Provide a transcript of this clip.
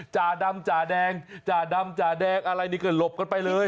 จ่าดำจ่าแดงจ่าดำจ่าแดงอะไรนี่ก็หลบกันไปเลย